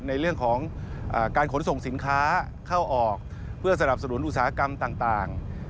ในเรื่องของการขนส่งสินค้าเข้าออกเพื่อสนับสนุนอุตสาหกรรมต่าง